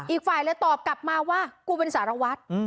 อีกฝ่ายเลยตอบกลับมาว่ากูเป็นสารวัตร